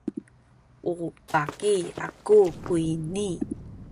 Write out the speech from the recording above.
u baki aku kuyni.